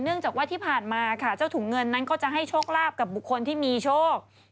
จากว่าที่ผ่านมาค่ะเจ้าถุงเงินนั้นก็จะให้โชคลาภกับบุคคลที่มีโชค